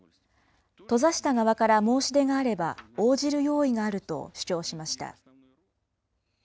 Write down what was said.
閉ざした側から申し出があれば応じる用意があると主張しました。